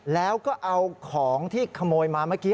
แล้วก็เอาของที่ขโมยมาเมื่อกี้